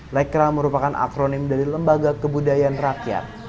lekra merupakan akronim dari lembaga kebudayaan rakyat